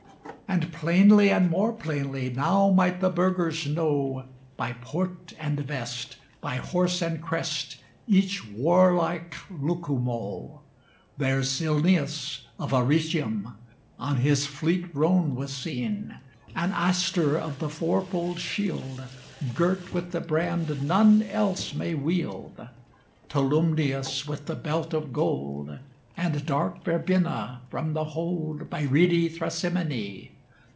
And plainly and more plainly Now might the burghers know, By port and vest, by horse and crest, Each warlike Lucumo. There Cilnius of Arretium On his fleet roan was seen; And Astur of the fourfold shield, Girt with the brand none else may wield, Tolumnius with the belt of gold, And dark Verbenna from the hold By reedy Thrasymene.